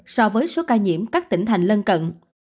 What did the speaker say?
so với số ca nhiễm các tỉnh thành lân cận